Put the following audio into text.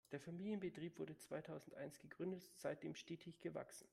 Der Familienbetrieb wurde zweitausendeins gegründet und ist seitdem stetig gewachsen.